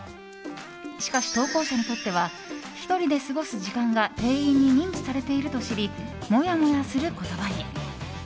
しかし、投稿者にとっては１人で過ごす時間が店員に認知されていると知りモヤモヤする言葉に。